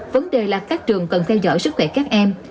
vấn đề là các trường cần theo dõi sức khỏe các em